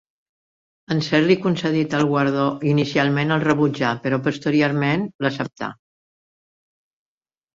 En ser-li concedit el guardó inicialment el rebutjà però posteriorment l'acceptà.